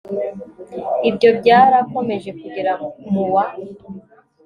ibyo byarakomeje kugera mu wa